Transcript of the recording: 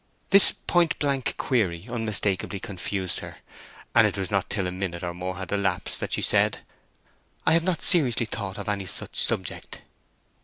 This point blank query unmistakably confused her, and it was not till a minute or more had elapsed that she said, "I have not seriously thought of any such subject."